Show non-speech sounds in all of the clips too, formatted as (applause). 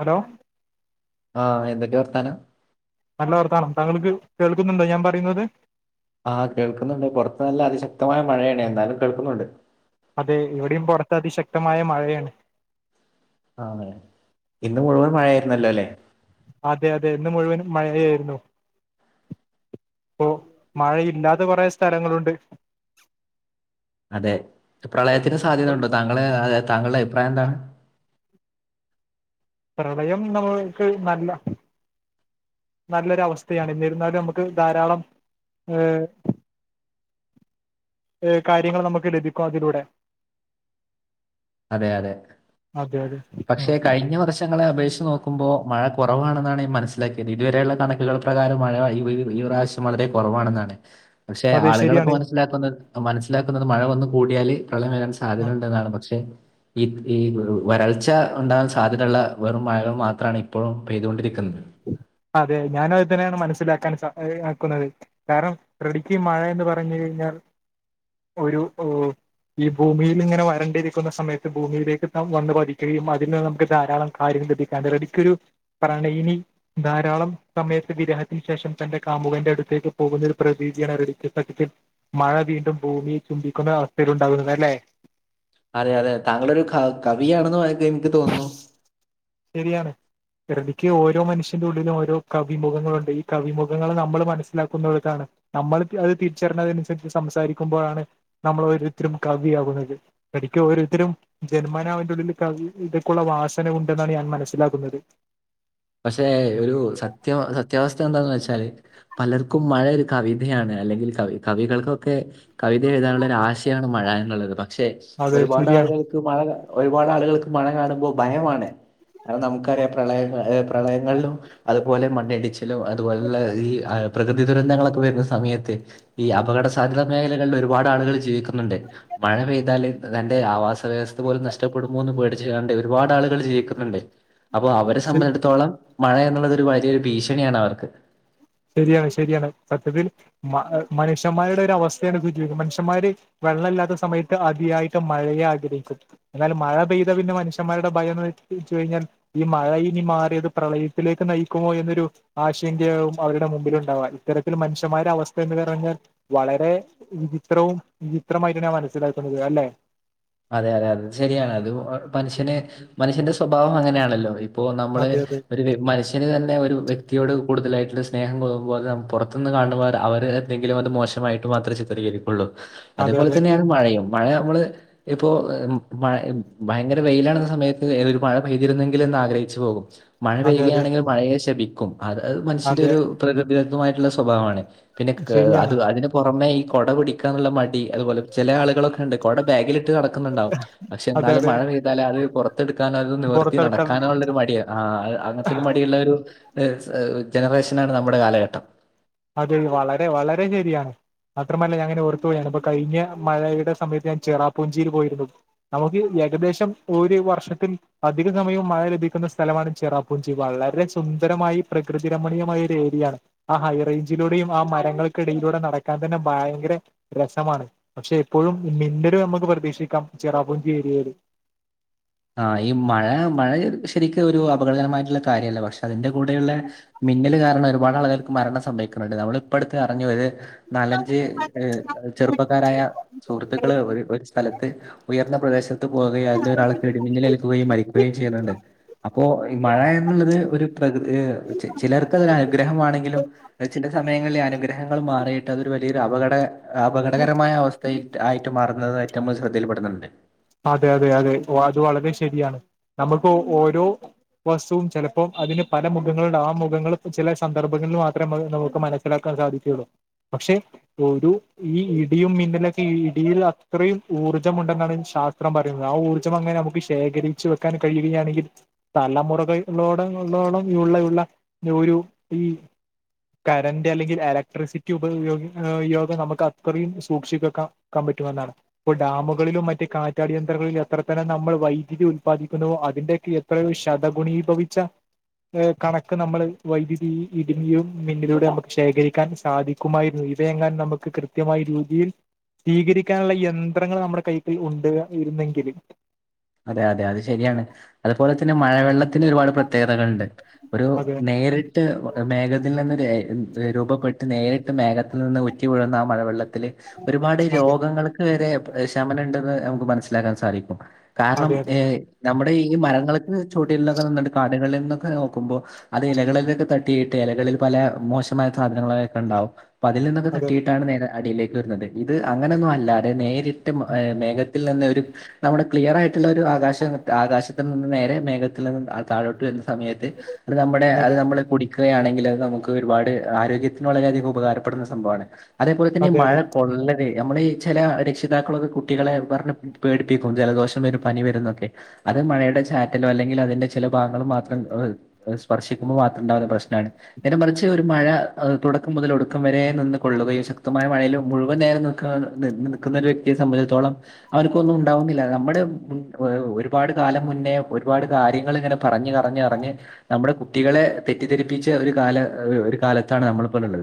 Hello ആഹ് എന്തക്കെ വർത്താനം? നല്ല വർത്താനം. താങ്കൾക്ക് കേൾക്കുന്നുണ്ടോ ഞാൻ പറയുന്നത്? ആഹ് കേൾക്കുന്നുണ്ട്. പൊറത്ത് നല്ല അതിശക്തമായ മഴയാണ്. എന്നാലും കേൾക്കുന്നുണ്ട്. അതെ, ഇവിടെയും പൊറത്ത് അതിശക്തമായ മഴയാണ്. ആഹ് ഇന്ന് മുഴുവൻ മഴയായിരുന്നല്ലോ ല്ലേ? അതെ അതെ, ഇന്ന് മുഴുവനും മഴയായിരുന്നു. പ്പൊ മഴയില്ലാത്ത കൊറേ സ്ഥലങ്ങളുണ്ട് അതെ. പ്രളയത്തിന് അപ്പോൾ സാധ്യതയുണ്ടോ? താങ്കള് താങ്കളുടെ അഭിപ്രായം എന്താണ്? പ്രളയം നമ്മൾക്ക് നല്ല നല്ലൊരു അവസ്ഥയാണ്. എന്നിരുന്നാലും നമുക്ക് ധാരാളം ഏഹ് കാര്യങ്ങള് നമുക്ക് ലഭിക്കും അതിലൂടെ അതെ അതെ. അതെ അതെ ആ, പക്ഷെ കഴിഞ്ഞ വർഷ ങ്ങളെ അപേക്ഷച്ച് നോക്കുമ്പോ മഴ കുറവാണെന്നാണ് ഞാൻ മനസ്സിലാക്കിയത്. ഇതുവരെയുള്ള കണക്കുകൾ പ്രകാരം മഴ (unintelligible) ഇപ്രാവശ്യം (unintelligible) വളരെ കൊറവാണെന്നാണ്, പക്ഷെ അതെ ആളുകള്ക്കെ ശരിയാണ് മനസ്സിലാക്കുന്നത് മനസ്സിലാക്കുന്നത് മഴ വന്ന് കൂടിയാല് പ്രളയം വരാൻ ആ, സാധ്യത ഉണ്ടെന്നാണ്. പക്ഷെ, ഈ ഈ വരൾച്ച ഉണ്ടാകാൻ സാധ്യതയുള്ള വെറും മഴകൾ മാത്രാണ് ഇപ്പോഴും പെയ്തുകൊണ്ടിരിക്കുന്നത്. അതെ, ഞാനും അത്‌ തന്നെണ് മനസ്സിലാക്കാൻ സാ ആക്കുന്നത്. കാരണം (unintelligible) ഈ മഴ എന്ന് പറഞ്ഞു കഴിഞ്ഞാൽ ഒരു ഹ് ഈ ഭൂമിയിൽ ഇങ്ങനെ വരണ്ടിരിക്കുന്ന സമയത്ത് ഭൂമിയിലേക്ക് (unintelligible) വന്ന് പതിക്കുകയും അതിന്ന് നമുക്ക് ധാരാളം കാര്യങ്ങൾ ലഭിക്കാണ്ട് റെഡിക്കൊരു പ്രണയിനി ധാരാളം സമയത്തെ വിരഹത്തിന് ശേഷം തന്റെ കാമുകന്റെ അടുത്തേക്ക് പോകുന്ന ഒരു പ്രതീതിയാണ് (unintelligible) മഴ വീണ്ടും ഭൂമിയെ ചുംബിക്കുന്ന അവസ്ഥയിലുണ്ടാകുന്നത്, അല്ലേ? അതെ അതെ. താങ്കളൊരു ക കവിയാണെന്ന് എനിക്ക് തോന്നുന്നു. ശരിയാണ്. (unintelligible) ക്ക് ഓരോ മനുഷ്യന്റെ ഉള്ളിലും ഓരോ കവിമുഖങ്ങളുണ്ട്, ഈ കവിമുഖങ്ങള് നമ്മള് മനസ്സിലാക്കുന്നടത്താണ് നമ്മൾ അത് തിരിച്ചറിഞ്ഞതിനനുസരിച്ച് സംസാരിക്കുമ്പോഴാണ് നമ്മൾ ഓരോരുത്തരും കവിയാകുന്നത്. പഠിക്കും ഓരോരുത്തരും. ജന്മനാവന്റെ ഉള്ളില് (unintelligible) ഇതൊക്കുള്ള വാസന ഉ എന്നാണ് ഞാൻ മനസിലാക്കുന്നത്. പക്ഷെ ഒരു സത്യ സത്യാവസ്ഥ എന്താന്ന് വെച്ചാല് പലർക്കും മഴ ഒരു കവിതയാണ് അല്ലെങ്കിൽ കവി കവികൾക്കൊക്കെ കവിത എഴുതാനുള്ളൊര് ആശയാണ് മഴ എന്നുള്ളത്, പക്ഷെ അതെ ശരിയാണ് ഒരുപാടാളുകൾ ക്ക് മഴ ഒരുപാട് ആളുകൾക്ക് മഴ കാണുമ്പോ ഭയമാണ്. കാരണം നമുക്കറിയാം പ്രളയ പ്രളയങ്ങളിലും അതുപോലെ മണ്ണിടിച്ചിലും അതുപോലുള്ള ഈ അ പ്രകൃതി ദുരന്തങ്ങളൊക്കെ വരുന്ന സമയത്ത് ഈ അപകട സാധ്യത മേഖലകളില് ഒരുപാട് ആളുകള് ജീവിക്കുന്നുണ്ട്. മഴ പെയ്താല് തന്റെ ആവാസവ്യവസ്ഥ പോലും നഷ്ടപ്പെടുമോന്ന് പേടിച്ച് കാണ്ട് ഒരുപാട് ആളുകള് ജീവിക്കുന്നുണ്ട്. അപ്പൊ അവരെ സംബന്ധിച്ചിടത്തോളം മഴ എന്നുള്ളത് ഒരു വലിയൊരു ഭീഷണിയാണ് അവർക്ക്. ശരിയാണ്, ശരിയാണ്. സത്യത്തിൽ മ ഹ് മനുഷന്മാരുടെ ഒരവസ്ഥയാണ് ഇത് (unintelligible) മനുഷന്മാരു വെള്ളല്ലാത്ത സമയത്ത് അതിയായിട്ട് മഴയെ ആഗ്രഹിക്കും. എന്നാല് മഴ പെയ്ത പിന്നെ മനുഷ്യൻമാരുടെ ഭയം എന്ന് വെച്ച് ച്ച് കഴിഞ്ഞാൽ ഈ മഴ ഇനി മാറിയത് പ്രളയത്തിലേക്ക് നയിക്കുമോ എന്നൊരു ആശങ്കയാവും. അവരുടെ മുമ്പില്ണ്ടാവ. ഇത്തരത്തില് മനുഷ്യൻമാരുടെ അവസ്ഥ എന്ന് പറഞ്ഞാൽ വളരെ വിചിത്രവും വിചിത്രമായിട്ട് ഞാൻ മനസ്സിലാക്കുന്നത് അല്ലെ അതെ അതെ അതെ ശരിയാണ്. അത് മനുഷ്യന് മനുഷ്യന്റെ സ്വഭാവം അങ്ങനെയാണല്ലോ. ഇപ്പോ നമ്മള് അതെ അതെ ഒരു വി (unintelligible) (unintelligible) തന്നെ ഒരു വ്യക്തിയോട് കൂടുതലായിട്ടുള്ള സ്നേഹം കൂടുമ്പോ അത് പുറത്തു നിന്ന് കാണ് ണ പോലെ അവര് എന്തെങ്കിലും അത് മോശമായി ട്ടുമാത്രേ ചിത്രീകരിക്കുള്ളൂ. അതെ അതേപോലെ അതെ തന്നെയാണ് മഴയും, മഴയെ മ്മള് ഇപ്പൊ മഴ ഭയങ്കര വെയിലാണെന്ന സമയത്ത് ഒരു മഴ പെയ്തിരുന്നെങ്കില് എന്നാഗ്രഹിച്ചു പോകും. മഴ അതെ അതെ പെയ്യുകയാണെങ്കിൽ മഴയെ ശപിക്കും. അത് അത്‌ മനുഷ്യന്റെ അതെ ഒരു പ്രകൃതിദത്തമായിട്ടുള്ള സ്വഭാവാണ്. പിന്നെ ക്ക് ശരിയാണ് അത് അതിന് പുറമെ ഈ കുട പിടിക്കാനുള്ള മടി അതുപോലെ ചില ആളുകളൊക്കെ ഉണ്ട് കുട ബാഗിൽ നടക്കുന്നുണ്ടാവും പക്ഷെ അതെ എന്നാലും അതെ മഴ പെയ്താലും അത് പുറത്തെടുക്കാനോ അത് നിവർത്തി പുറത്തെടുക്കാൻ നടക്കാനോള്ളരു മടിയാണ് ആ അങ്ങനത്തെരു മടിയുള്ള ഒരു ജനറേഷനാണ് നമ്മുടെ കാലഘട്ടം അതെ വളരെ വളരെ ശരിയാണ് മാത്രമല്ല ഞാങ്ങനെ ഓർത്തുപോയി ഞാൻ അപ്പൊ കഴിക്കാൻ മഴയുടെ സമയത്ത് ഞാൻ ചിറാപ്പൂഞ്ചിൽ പോയിരുന്നു നമുക്ക് ഏകദേശം ഒരു വർഷത്തിൽ അധിക സമയവും മഴ ലഭിക്കുന്ന സ്ഥലമാണ് ചിറാപ്പൂഞ്ചി വളരെ സുന്ദരമായി പ്രകൃതി രമണീയമായ ഒരു ഏരിയാണ് ആ ഹൈ റേഞ്ചിലൂടെയും ആ മരങ്ങൾക്കിടയിലൂടെ നടക്കാൻ തന്നെ ഭയങ്കര രസമാണ് പക്ഷെ എപ്പോഴും മിന്നല് നമുക്ക് പ്രതീക്ഷിക്കാം ചിറാപുഞ്ചി ഏരിയയിൽ ആ ഈ മഴ മഴ ശരിക്ക് ഒരു അപകടകരമായിട്ടുള്ള കാര്യല്ല പക്ഷെ അതിന്റെ കൂടെയുള്ള മിന്നല് കാരണം ഒരുപാട് ആളുകൾക്ക് മരണം സംഭവിക്കുന്നുണ്ട് നമ്മൾ ഇപ്പോടുത്ത് അറിഞ്ഞു വത് നാലഞ്ച് ഏ ചെറുപ്പക്കാരായ സുഹൃത്തുക്കള് ഒരു ഒരു സ്ഥലത്ത് ഉയർന്ന പ്രദേശത്ത് പോകയായിരുന്ന ഒരാള് ഇടിമിന്നൽ ഏൽക്കുകയും ഇ മരിക്കുകയും ചെയ്യുന്നുണ്ട് അപ്പോ ഈ മഴ എന്നുള്ളത് ഒരു പ്രകൃതി ചി ചിലർക്ക് അത്‌ അനുഗ്രഹമാണെങ്കിലും ചില സമയങ്ങളിലിൽ അനുഗ്രഹങ്ങൾ മാറിയിട്ട് അതൊരു വലിയൊരു അപകട അപകടകരമായ അവസ് ആയിട്ട് ആയിട്ട് മാറുന്നത് ഏറ്റവും ശ്രദ്ധയിൽപെടുന്നുണ്ട് അതെ അതെ അതെ അത് വളരെ ശരിയാണ് നമുക്ക് ഓരോ വസ്തുവും ചിലപ്പോൾ അതിന് പല മുഖങ്ങളുടെ ആ മുഖങ്ങൾ ചില സന്ദർഭങ്ങളിൽ മാത്രം നമുക്ക് മനസ്സി ചലാക്കാൻ സാധിച്ചയുള്ളൂ പക്ഷേ ഒരു ഈ ഇടിയും മിന്നലൊക്കെ ഈ ഇടിയിൽ അത്രയും ഊർജ്ജമുണ്ടെന്നാണ് ശാസ് ചിത്രം പറയുന്നത് ആ ഊർജ്ജം അങ്ങനെ നമുക്ക് ശേഖരിച്ച് വെക്കാൻ കഴുകയാണെങ്കിൽ തലമുറക ഉള്ളോട ഉള്ളോളം ഉള്ള ഉള്ള ഒരു ഈ കറന്റ് അല്ലെങ്കിൽ എലക്ട്രിസിറ്റി ഉപയോഗ യോഗം നമുക്ക് അത്രയും സൂക്ഷിക്കക്കാം. ക്കാൻ പറ്റുമോ എന്നാണ് ഇപ്പൊ ഡാമുകളിലും മറ്റു കാ അടിയന്തരമായി യന്ത്രങ്ങളിൽ എത്ര തന്ന നമ്മൾ വൈദ്യുതി ഉൽപാദിക്കുന്നുവോ അതിന്റെറെക്ക എത്രയോ ശതഗുണീഭവിച്ച കണക്ക് നമ്മള് വൈദ്യുതി ഇടിയും മിന്നിലിടെയ്യ്മ് ശേഖരിക്കാൻ സാധി മായിരുന്നു ഇതുതന്നെ നമുക്ക് കൃത്യമായി രീതിയിൽ സ്വീകരിക്കാനുള്ള യന്ത്രങ്ങൾ നമ്മുടെ കൈക്കൽ ഉണ്ട് ഇരുന്നെങ്കിലും. അതെ അതെ അത് ശരിയാണ് അതുപോലെ തന്നെ മഴവെള്ളത്തിന് ഒരുപാട് പ്രത്യേകതകളുണ്ട് ഒരു അതെ നേരിട്ട് മേഘത്തിൽ നിന്ന് രേ രൂപപ്പെട്ട് നേരിട്ട് മേഘത്തിൽ നിന്ന് ഉറ്റി വീഴുന്ന ആ മഴവെള്ളത്തില് ഒരുപാട് അതെ രോഗങ്ങൾ വരെ ശമനം ണ്ടെന്ന് നമക്ക് മനസ്സിലാക്കാൻ സാധിക്കും. കാരണം അതെ എ അതെ നമ്മടെ ഈ മരങ്ങള്ക്ക് ചുവട്ടികന്നൊക്കെ നന്നിട്ടണ്ട് കാടുകളിൽ നിന്നൊക്കെ (unintelligible) നോക്കുമ്പോൾ അത് ഇലകളിലൊക്കെ തട്ടിയിട്ട്. ഇലകളിൽ പല മോശമായ സാധനങ്ങളൊക്കെ ഉണ്ടാവും അപ്പൊ അതിൽ നിന്നൊക്കെ അതെ തട്ടിയിട്ട് ആണ് മേഘം അടിയിലേക്ക് വരുന്നുണ്ട് ഇത് അങ്ങനെയൊന്നും അല്ലാതെ നേരിട്ട് മേഘത്തിൽ നിന്നൊരു നമ്മുടെ ക്ലിയർ ആയിട്ടുള്ള ഒരു ആകാശം ആകാശത്തിൽ നിന്ന് നേരെ മേഘത്തിൽ നിന്ന് താഴോട്ട് വരുന്ന സമയത്ത് അത് നമ്മുടെ അത് അതെ നമ്മള് കുടി ക്കുകയാണെങ്കിൽ അത് നമുക്ക് ഒരുപാട് ആരോഗ്യത്തിന് വളരെയധികം ഉപകാരപ്പെടുന്ന സംഭവമാണ്. അതേപോലെ തന്നെ അതെ അതെ മഴ കൊള്ളൽ നമ്മള ഈ ചില രക്ഷിതാക്കളൊക്കെ കുട്ടികളെ പറഞ്ഞഞ് പേടിപ്പിക്കും ജലദോഷം വ ഒരു പനി വരുന്നൊക്കെ അത് മഴയുടെ ചാറ്റിലോ അല്ലെങ്കിൽ അതിന്റെ ചില ഭാഗങ്ങളും മാത്രം സ്പർശിക്കുമ്പോൾ മാത്രം ഉണ്ടാവുന്ന പ്രശ്നമാണ്. നേരെ മറിച്ച് ഒരു മഴ തുടക്കം മുതൽ ഒടുക്കം വരെ നിന്ന് കൊള്ളുകയും ശക്തമായ മഴയിൽ മുഴുവൻ നേരം നിൽക്കുന്ന ഒരു വ്യക്തിയെ സംബന്ധിച്ചടത്തോളം അവനക്കൊന്നും ഉണ്ടാവുന്നില്ല നമ്മുടെ മം ഒരുപാട് കാലം മുന്നേ ഒരുപാട് കാര്യങ്ങൾ ഇങ്ങനെ പറഞ്ഞ് പറഞ്ഞ് പറഞ്ഞ് നമ്മുടെ കുട്ടികളെ തെറ്റിദ്ധരിപ്പിച്ച ഒരു കാല ഒരു കാലത്താണ് നമ്മളിപ്പോള്ളത്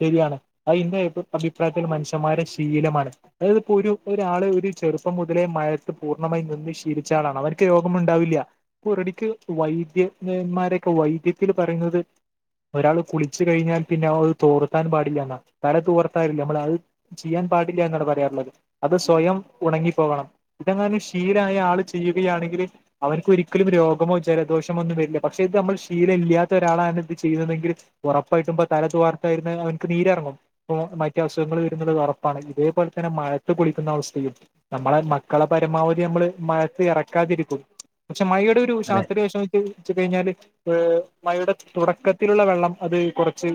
ശരിയാണ് അതിന്റ അ അഭിപ്രായത്തിൽ മനുഷ്യന്മാരെ ശീലമാണ് നമ്മൾ ഇപ്പോ ഒരു ഒരാള് ഒരു ചെറുപ്പംമുതലേ മയത്ത് പൂർണ്ണമായി നിന്ന് ശീലിച്ച ആളാണ് അവർക്ക് രോഗമുണ്ടാവില്ല പുറടിക്ക് വൈദ്യന്മാരൊക്കെ വൈദ്യത്തില് പറയുന്നത് ഒരാള് കുളിച്ചു കഴിഞ്ഞാൽ പിന്നെ ആ അത് തോർത്താൻ പാടില്ല എന്ന തല തോർത്താ (unintelligible) നമ്മൾ അത് ചെയ്യാൻ പാടില്ല എന്നാണ് പറയാറുള്ളത് അത് സ്വയം ഉണങ്ങിപ്പോകണം ഇതങ്ങോനും ശിലായി ആള് ചെയ്യുകയാണെങ്കില് അവർക്ക് ഒരിക്കലും രോഗമോ ജലദോഷമോ ഒന്നും വരില്ല പക്ഷേ ഇത് നമ്മൾ ശീലം ഇല്ലാത്ത ഒരാളാണ് ഇത് ചെയ്യുന്നതെങ്കിൽ ഉറപ്പായിട്ടുമ്പൊ തല തർത്തായിന്ന് അവനക്ക് നീരിറങ്ങും മറ്റ അസുഖങ്ങൾ വരുന്നത് ഉറപ്പാണ് ഇതേപോലെ തന്നെ മഴത്ത കുളിക്കുന്ന അവസ്ഥയും. നമ്മളെ മക്കളെ പരമാവധി നമ്മള് മഴയത്ത് ഇറക്കാതിരിക്കും പക്ഷെ മഴയുടെ ശാസ്ത്രീയ വ കഴിഞ്ഞാല് മഴയുടെ തുടക്കത്തിലുള്ള വെള്ളം അത് കുറച്ച്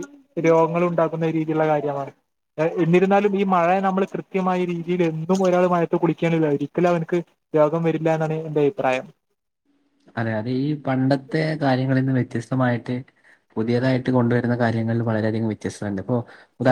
രോഗങ്ങള ഉണ്ടാക്കുന്ന രീതിയിലുള്ള കാര്യമാണ് പറ എന്നിരുന്നാലും ഈ മഴ നമ്മൾ കൃത്യമായ രീതിയിൽ എന്തും ഒരാൾ മഴത്ത് കുടിക്കാനില്ല ഒരിക്കല അവനക്ക് രോഗം വരില്ല എന്നാണ് എന്റെ അഭിപ്രായം അതെ അതെ ഈ പണ്ടത്തെ കാര്യങ്ങള നിന്ന് വ്യത്യസ്തമായിട്ട് പുതിയതായിട്ട് കൊണ്ടുവരുന്ന കാര്യങ്ങളിൽ വളരെയധികം വ്യത്യസ്തുണ്ട് ഇപ്പോ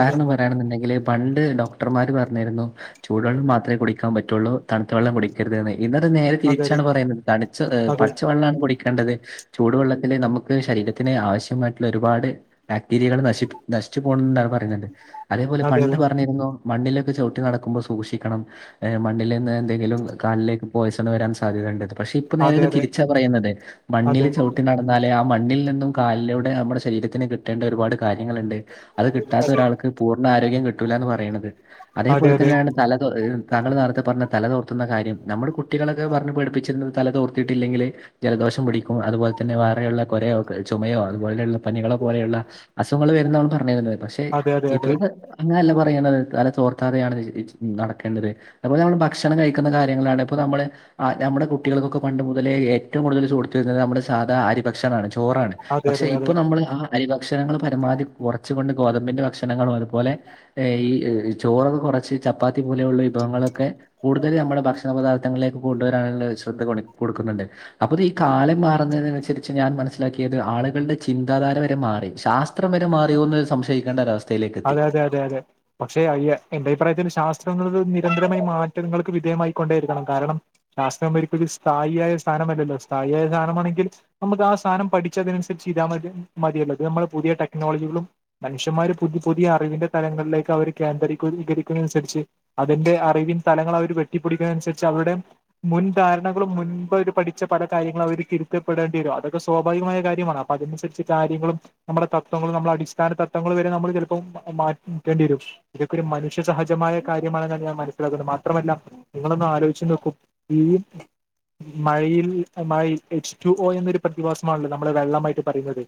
അതെ പറ യാണെന്നുണ്ടെങ്കിൽ പണ്ട് ഡോക്ടർമാർ പറഞ്ഞിരുന്നു. ചൂടുവെള്ളം മാത്രമ കുടിക്കാൻ പറ്റയുള്ളൂ തണുത്ത വെള്ളം കുടിക്കരുത്തന്ന് ഇന്നലത്തെ നേരെ അതെ തിരിച്ചാണ് പറയുന്നത് തണിച്ച അതെ പച്ച വെള്ളമാണ് കുടിക്കേണ്ടത് ചൂടുവെള്ളത്തില് നമുക്ക് ശരീരത്തിന് ആവശ്യമായിട്ടുള്ള ഒരുപാട് ബാക്ടീരിയകൾ നശി നശിച്ചു പോക് ണ്ണ് ണ്ട് എന്നാണ് പറയുന്നത് അതേപോലെ അതെ പണ്ട് പറഞ്ഞിരുന്നു. മണ്ണിലൊക്കെ ചവിട്ടി നടക്കുമ്പോൾ സൂക്ഷിക്കണം. മണ്ണിൽ നിന്ന് എന്തെങ്കിലും കാലിലേക്ക് പോയിസണ് വരാൻ സാധ്യതയുണ്ടത് പക്ഷെ ഇപ്പ അതെ നേരത് അതെ തിരിച്ചാ പറയുന്നത് മണ്ണൽ അതെ ചവി ട്ട നടന്നാേ ആ മണ്ണിൽ നിന്നും കാലിലൂടെ നമ്മുടെ ശരീരത്തിന് കിട്ടേണ്ട ഒരുപാട് കാര്യങ്ങളുണ്ട് അത് കിട്ടാത്ത ഒരാൾക്ക് പൂർണ്ണ ആരോഗ്യം കിട്ടൂല്ല എന്ന് പറയുന്നത് അതേപോലെ അതെ തന്നെയാണ്. തല താങ്കൾ നേരത്തെ പറഞ്ഞ തല തോർുന്ന കാര്യം നമ്മ കുട്ടികളൊക്കെ പറഞ്ഞു പഠിപ്പിച്ചിന്ന് തല തോർത്തിട്ട് ഇല്ലെങ്കിൽ ജലദോഷം പിടിക്കും അതുപോലെ തന്നെ വേറെയുള്ള കുരയോ ചുമയോ അതുപോലെയുള്ള പനികളെ പോലെയുള്ള അസുഖങ്ങൾ വരുന്നള് പറഞ്ഞണ്ടുന്നത് പക്ഷെ അതെ അതെ അതെ അതെ അതെ അതെ ഇപ്പോ അങ്ങനെയല്ല പറയണ്ടത് തല ചോർത്താതെയാണ് നടക്കേണ്ടത് അതുപോലെ നമ്മള് ഭക്ഷണം കഴിക്കുന്ന കാര്യങ്ങളാണ് ഇപ്പോ നമ്മള് നമ്മുടെ കുട്ടികൾക്കൊക്കെ പണ്ട ഏറ്റവും കൂടുതൽ സുഹത്ത് വരുന്നത് നമ്മുടെ സാധാ ആരിഭക്ഷണണം ആണ് ചോറാണ് അതെ പക്ഷെ അതെ അതെ ഇപ്പ നമ്മൾ അ അരി ഭക്ഷണങ്ങൾ പരമാവധി കുറച്ചുകൊണ്ട് ഗോതമ്പിന്റെ ഭക്ഷണങ്ങളും അതുപോലെ ഈ ചോറൊ കുറച്ച് ചപ്പാത്തി പോലെയുള്ള വിഭവങ്ങളൊക്കെ കൂടുതൽ നമ്മുടെ ഭക്ഷണ പദാർത്ഥങ്ങളിലേക്ക് കൊണ്ടുവരാനുള്ള ശ്രദ്ധ കൊടുക്കുന്നുണ്ട് അപ്പൊ ഈ കാലം മാറുന്നതിനനുസരിച്ച് ഞാൻ മനസ്സിലാക്കിയത് ആളുകളുടെ ചിന്താധാര വരെ മാറിസ് അത്രം വരെ മാറിയോ എന്ന് സംശയിക്കേണ്ട ഒവസ്ഥ അതെ അതെ അതെ അതെ പക്ഷെ അയ്യ എന്റെ അഭിപ്രായത്തിൽ ശാസ്ത്രങ്ങ നിരന്തരമായി മാറ്റങ്ങൾക്ക് വിധേയമായി കൊണ്ടേരിക്കണം കാരണം രാാസ്ംരിക്കൊ ഒരു സ്ഥായിയായ സ്ഥാനമല്ലല്ലോ സ്ഥായിയായ സ്ഥാനമാണെങ്കിൽ നമുക്ക് ആ സാധനം പഠിച്ചതിനനുരിച്ച് ഇതാൽ മതി മതിയള്ളൂ ഇത് നമ്മളള് പുതിയ ടെക്നോളജികളും മനുഷ്യന്മാരും പുതിയ പുതിയ അറിവിന്റെ തലങ്ങളിലേക്ക് അവര് കേന്ദ്രീകകരിക്കുന്നനുസരിച്ച് അതിന്റെ അറിവിൻ സ്ഥലങ്ങൾ അവര് വെട്ടിപ്പിടിക്കുന്ന അനുസരിച്ച് അവരുടെ മുൻ ധാരണകും മുൻപ് അവര് പഠിച്ച പല കാര്യങ്ങളും അവർ തിരുത്തപ്പെടേണ്ടി വരും അതൊക്കെ സ്വാഭാവികമായ കാര്യമാണ് അതുസരിച്ച് കാര്യങ്ങളും നമ്മുടെ തവങ്ങളും നമ്മുടെ അടിസ്ഥാന തവങ്ങൾ വരെ നമ്മൾ ചിലപ്പോ മാറ്റി നിക്കേണ്ടി വരും. ഇതൊക്കൊ ഒരു മനുഷ്യ സഹജമായ കാര്യമാണെന്നാണ് ഞാൻ മനസ്സിലാക്കുന്നത് മാത്രമല്ല നിങ്ങളൊന്ന് ആലോചി നോക്കും മഴയിൽ മഴയിൽൽ എച്ച് ടു ഒ എന്നൊരു പ്രതിഭാസമാണല്ലോ നമ്മള് വെള്ളമായിട്ട് പറയുന്നത്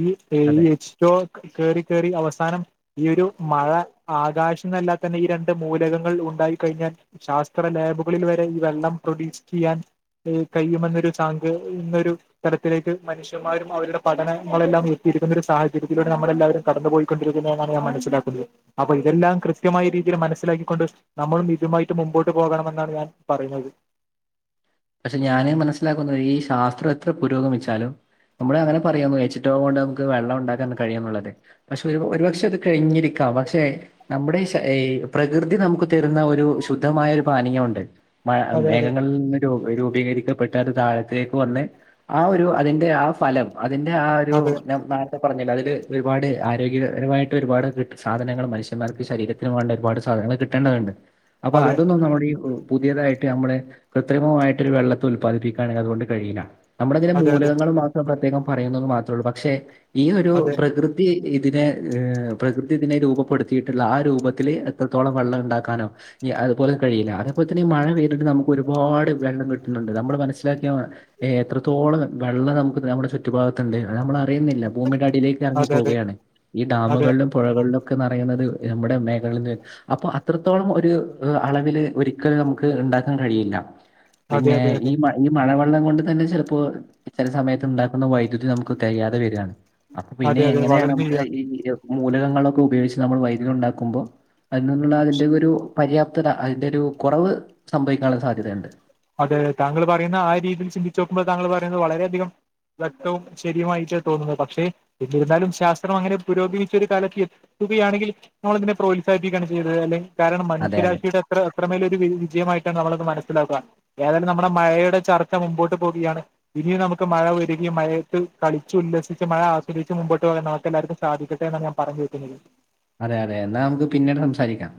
ഈ അതെ എച്ച് ടു ഒ കേറി കറി അവസ്ഥ അവസാനം ഈ ഒരു മഴ ആകാശം എന്നല്ലാ തന്നെ ഈ രണ്ട് മൂലകങ്ങൾ ഉണ്ടായി കഴിഞ്ഞാൽ ശാസ്ത്ര ലാബുകളിൽ വരെ ഈ വെള്ളം പ്രൊഡ്യൂസ് ചെയ്യാൻ കഴിയുമെന്നൊരു സാങ് ഇതൊരു തരത്തിലേക്ക് മനുഷ്യമാരും അവരുടെ പഠനങ്ങളെല്ലാം എത്തിയിരിക്കുന്ന ഒരു സാഹചര്യത്തിലൂടെ നമ്മളെ എല്ലാവരും കടന്നു പോയി ണ്ടിരിക്കുന്നാണ് ഞാൻ മനസ്സിലാക്കുന്നത് അപ്പൊ ഇതെല്ലാം കൃത്യമായ രീതിയിൽ മനസ്സിലാക്കിക്കൊണ്ട് നമ്മളും ഇതുമായിട്ട് മുമ്പോട്ട് പോകണമെന്നാണ് ഞാൻ പറയുന്നത് പക്ഷെ ഞാന് മനസ്സിലാക്കുന്നത് ഈ ശാസ്ത്രം എത്ര പുരോഗമിച്ചാലും നമ്മള് അങ്ങനെ പറയാ ഏച്ചു ടു ഒ കൊണ്ട് നമുക്ക് വെള്ളം ഉണ്ടാക്കാൻ കഴിയും എന്നുള്ളത് പക്ഷെ ഒരു ഒരു പക്ഷെ അത് കഴിഞ്ഞിരിക്കാം പക്ഷെ നമ്മുടെ ഏഹ് പ്രകൃതി നമുക്ക് തരുന്ന ഒരു ശുദ്ധമായ ഒരു പാനീയം ഉണ്ട് മഴ അതെ അതെ മേഘങ്ങളിൽ നിന്ന് രു രൂപീകരിക്കപ്പെട്ട ഒരു താഴത്തിലേക്ക് വന്ന് ആ ഒരു അതിന്റെ ആ ഫലം അതിന്റെ ആ ഒരു അതെ നാളത്തെ പറഞ്ഞില്ല അതില് ഒരുപാട് ആരോഗ്യപരമായിട്ട് ഒരുപാട് സാധനൾ മനുഷ്യർക്ക് ശരത്തിന് വേണ്ട ഒരുപാട് സാധനങ്ങൾ കിട്ടേണ്ടതുണ്ട് അപ്പൊ അതെ. അതൊന്നും നമ്മുടെ ഈ പുതിയതായിട്ട് നമ്മള് കൃത്രിമമായിട്ട് ഒരു വെള്ളം ഉൽപാദിപ്പിക്കുകയാണെങ്കിൽ അതുകൊണ്ട് കഴയില്ല നമ്മള് അങ്ങനെ അതെ അതെ. മൂലകങ്ങള് മാത്രെ പ്രത്യേകം പറയുന്നന്ന് മാത്രമേള്ളൂ പക്ഷെ ഈ ഒരു അതെ. പ്രകൃതി കൃതി ഇതിനെ ഹ് പ്രകൃതി ഇതിനെ രൂപപ്പെടുത്തിയിട്ടുള്ള ആ രൂപത്തിൽ എത്രത്തോളം വെള്ളം ഉണ്ടാക്കാനോ അതുപലെ കഴിയില്ല അത്പോലെ തന്നെ ഈ മഴ പെയ്തിട്ട് നമുക്ക് ഒരു ഒരുപാട് വെള്ളം കിട്ടുന്നുണ്ട് നമ്മൾ മനസ്സിലാക്കിയ എത്രത്തോളം വെള്ളം നമുക്ക് നമ്മുടെ ചുറ്റും ചറ്റു ഭാഗത്തുണ്ട് അത് നമ്മൾ അറിയുന്നില്ല ഭൂമിയുടെ അടിയിലേക്ക് ഇറങ്ങി അതെ അതെ. പോവുകയാണ് ഈ അതെ. ഡാമുകളിലും പുഴകളിലൊക്കെ നറയുന്നത് നമ്മുടെ മേഘങ്ങളിൽ നിന്ന് അപ്പൊ അത്രത്തോളം ഒരു അളവില് ഒരിക്കലും നമുക്ക് ഉണ്ടാക്കാൻ കഴിയില്ല അതെ പിന്നെ അതെ അതെ. ഈ ഈ മഴ വെള്ളം കൊണ്ട് തന്നെ ചെലപ്പോ ചെല സമയത്ത് ഉണ്ടാക്കുന്ന വൈദ്യുതി നമുക്ക് തികയാതെ വരയാണ് അപ്പൊ പിന്നെ അതെ അതെ എങ്ങനെയാണ് വളരെ നമുക്ക് ശരിയാണ്. ഈ മൂലകങ്ങളൊക്കെ ഉപയോഗിച്ച് നമ്മച്ച് വൈദ്യുതി ഉണ്ടാക്കുമ്പോ അതിനന്നുള്ള അതിന്റെ ഒരു പര്യാപ്ത അതിൻറെ ഒരു കുറവ് സംഭവിക്കാനുള്ള സാധ്യതയുണ്ട് അതെ അതെ താങ്കൾ പറയുന്ന ആ രീതിയിൽ ചിന്തിച്ച് നോക്കുമ്പോൾ താങ്കൾ പറയുന്നത് വളരെയധികം വട്ടവും ശരിയമായിട്ട് തോന്നുന്നത് പക്ഷേ എന്നിരുന്നാലും ശാസ്ത്രം അങ്ങനെ പുരോഗമിച്ചൊ ഒരു കാലത്ത് തുകയാണെങ്കിൽ നമ്മളതിനെ പ്രോത്സാഹിപ്പിക്കുകാണ് ചെയ്തത് അല്ലെങ്കിൽ കാരണം അതെ അതെ മനുഷ്യരാശിയുടെ അത്ര അത്രമേലൊരു വിജയമായിട്ടാണ് നമ്മളത് മനസ്സിലാക്കുക ഏതായാലും നമ്മുടെ മഴയുടെ ചർച്ച മുമ്പോട്ട് പോവുകയാണ് ഇനിയും നമുക്ക് മഴ ഒരുങ്ങി മഴയത്ത് കളിച്ചു ഉല്ലസിച്ച് മഴ ആസ്വദിച്ച് മുമ്പോട്ട് പോകാൻ നമുക്ക് എല്ലാവർക്കും സാധിക്കട്ടെ എന്ന ഞാൻ പറഞ്ഞു വക്കുന്നത് അതെ അതെ എന്നാ നമുക്ക് പിന്നീട് സംസാരിക്കാം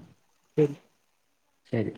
ശരി ശരി